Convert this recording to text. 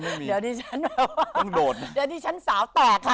เดี๋ยวนี้ฉันแบบว่าเดี๋ยวนี้ฉันสาวตอบค่ะ